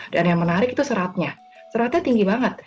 dan yang menarik itu seratnya seratnya tinggi banget